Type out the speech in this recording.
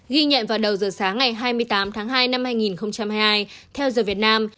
ghi nhận vào đầu giờ sáng ngày hai mươi tám tháng hai năm hai nghìn hai mươi hai theo giờ việt nam